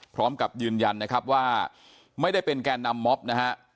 พร้อมกับยืนยันนะครับว่าไม่ได้เป็นแก่นำม็อบนะฮะ